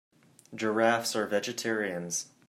Giraffes are vegetarians.